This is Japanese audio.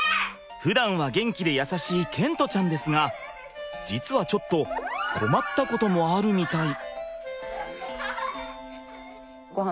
ふだんは元気で優しい賢澄ちゃんですが実はちょっと困ったこともあるみたい。